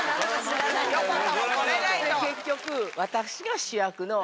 結局私が主役の。